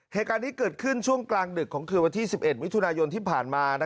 เหตุการณ์นี้เกิดขึ้นช่วงกลางดึกของคืนวันที่๑๑มิถุนายนที่ผ่านมา